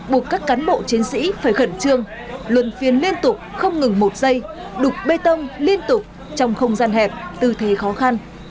buộc các cán bộ chiến sĩ phải khẩn trương luân phiên liên tục không ngừng một giây đục bê tông liên tục trong không gian hẹp tư thế khó khăn